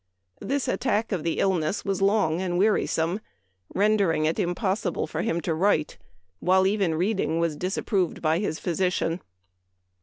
This attack 18 274 Memoir of Washington Irving. of illness was long and wearisome, rendering it impossible for him to write, while even reading was disapproved by his physician.